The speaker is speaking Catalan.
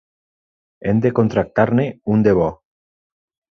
Hem de contractar-ne un de bo.